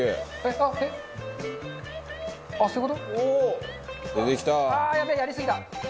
あっやべえやりすぎた。